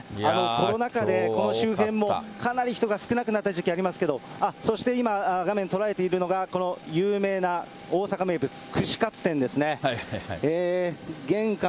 コロナ禍でこの周辺もかなり人が少なくなった時期ありますけれども、そして今、画面捉えているのが、この有名な大阪名物、串カツ店ですね。